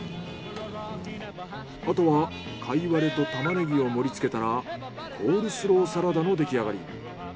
あとはカイワレとタマネギを盛り付けたらコールスローサラダのできあがり。